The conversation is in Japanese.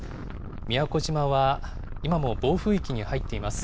宮古島は今も暴風域に入っています。